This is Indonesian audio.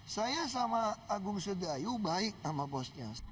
saya sama agung sedayu baik sama bosnya